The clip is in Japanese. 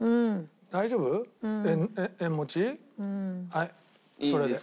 はいそれで。